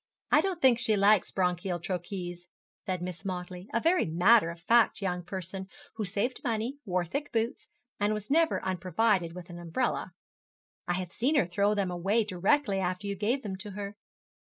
'I don't think she likes bronchial troches,' said Miss Motley, a very matter of fact young person who saved money, wore thick boots, and was never unprovided with an umbrella: 'I have seen her throw them away directly after you gave them to her.'